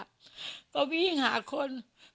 แปะวิ่งหาคน